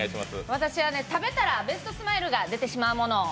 私は食べたらベストスマイルが出てしまうものを。